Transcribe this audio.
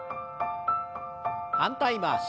反対回し。